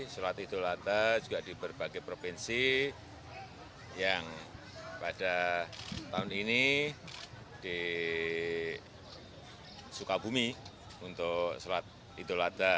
sholat idul adha juga di berbagai provinsi yang pada tahun ini di sukabumi untuk sholat idul adha